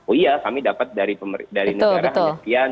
oh iya kami dapat dari negara hanya sekian